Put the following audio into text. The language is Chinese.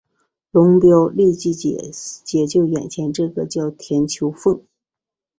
龙飙立即解救眼前这个叫田秋凤。